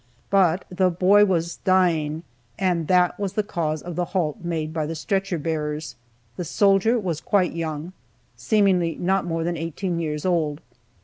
But the boy was dying, and that was the cause of the halt made by the stretcher bearers. The soldier was quite young, seemingly not more than eighteen years old.